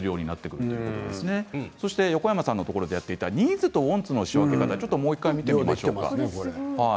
横山さんところでやっていたニーズとウォンツの仕分け方もう１回見ていきましょう。